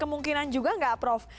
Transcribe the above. kemungkinan juga enggak prof